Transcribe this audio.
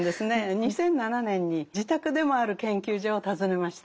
２００７年に自宅でもある研究所を訪ねました。